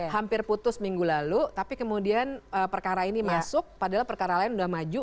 hampir putus minggu lalu tapi kemudian perkara ini masuk padahal perkara lain sudah maju